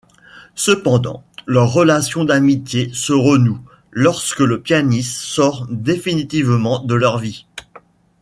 Cependant, leur relation d'amitié se renoue, lorsque le pianiste sort définitivement de leur vie.